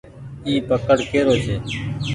اي پڪڙ ڪي رو ڇي۔